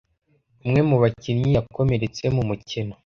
Umwe mu bakinnyi yakomeretse mu mukino.